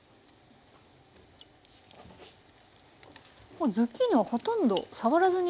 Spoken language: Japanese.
これズッキーニはほとんど触らずに。